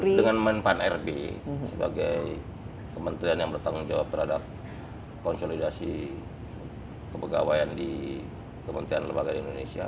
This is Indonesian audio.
ini kan dengan manfaat rbi sebagai kementerian yang bertanggung jawab terhadap konsolidasi kepegawaian di kementerian lembaga di indonesia